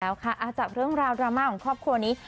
แล้วค่ะจากเรื่องราวดราม่าของครอบครัวนี้